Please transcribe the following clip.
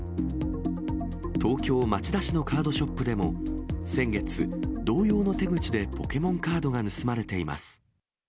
東京・町田市のカードショップでも、先月、同様の手口で、ポケモンカードが盗まれています。